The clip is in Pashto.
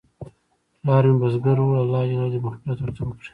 پلار مې بزګر و، الله ج دې مغفرت ورته وکړي